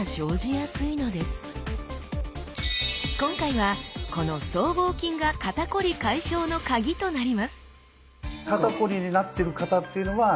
今回はこの僧帽筋が肩こり解消の鍵となります